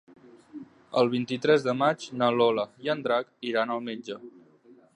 El vint-i-tres de maig na Lola i en Drac iran al metge.